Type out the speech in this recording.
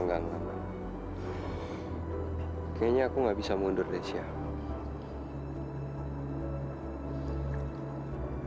kayaknya aku gak bisa mundur geo